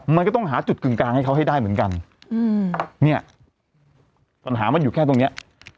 มันก็ต้องหาจุดกึ่งกลางให้เขาให้ได้เหมือนกันอืมเนี่ยปัญหามันอยู่แค่ตรงเนี้ย